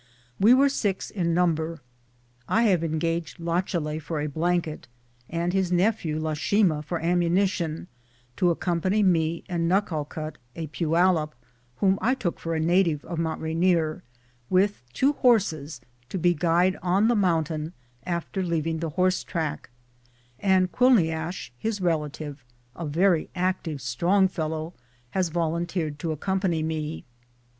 We were 6 in num ber. I have engaged Lachalet for a blanket, and his nephew, Lashima, for ammunition to accompany me and Nuckalkut a Poyalip (whom I took for a native of Mt. Rainier) with 2 horses to be guide on the moun tain after leaving the horse track, and Quilniash, his relative, a very active, strong fellow, has volunteered to accompany me.